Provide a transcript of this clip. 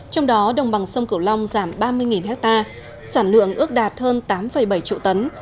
trong đó đồng bằng sông cửu long giảm ba mươi ha sản lượng ước đạt hơn tám bảy triệu tấn